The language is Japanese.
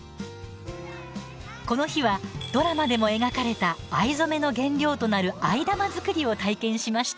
この日は、ドラマでも描かれた藍染めの原料となる藍玉作りを体験しました。